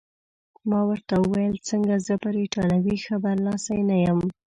ما ورته وویل: څنګه، زه پر ایټالوي ښه برلاسی نه یم؟